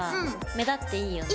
目立っていいよね！